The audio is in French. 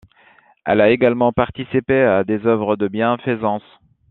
Elle a également participé à des œuvres de bienfaisance.